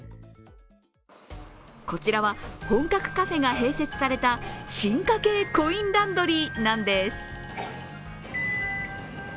こちらは本格カフェが併設された進化系コインランドリーなんです。